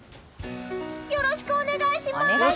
よろしくお願いします！